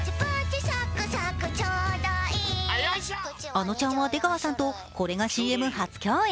あのちゃんは出川さんとこれがＣＭ初共演。